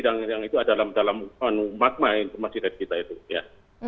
dan yang itu ada dalam magma informasi dari kita itu ya